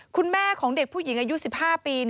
คุณแม่ของเด็กผู้หญิงอายุ๑๕ปี